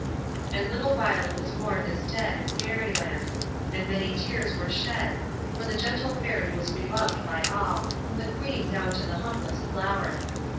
And little Violet was mourned as dead in Fairy Land, and many tears were shed, for the gentle Fairy was beloved by all, from the Queen down to the humblest flower.